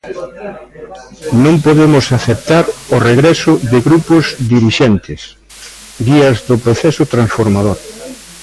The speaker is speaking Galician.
Non podemos aceptar o regreso de grupos dirixentes guías do proceso transformador.